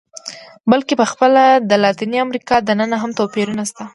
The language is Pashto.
بلکې په خپله د لاتینې امریکا دننه هم توپیرونه شته.